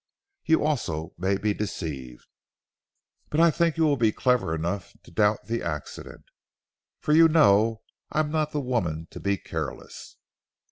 You also may be deceived. But I think you will be clever enough to doubt the accident, for you know I am not the woman to be careless.